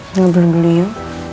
enggak beli beli yuk